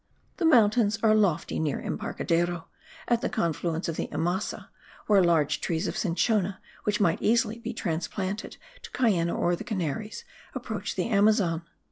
The mountains are lofty near the Embarcadero, at the confluence of the Imasa, where large trees of cinchona, which might be easily transplanted to Cayenne, or the Canaries, approach the Amazon.